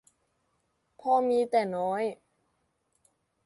พอมี แต่น้อย